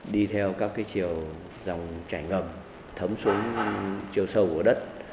đi theo các chiều dòng chảy ngầm thấm xuống chiều sâu của đất